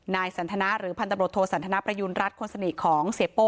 นายสันทนาหรือพันตำรวจโทสันทนประยุณรัฐคนสนิทของเสียโป้